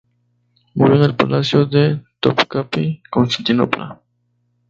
Murió en el Palacio de Topkapi, Constantinopla.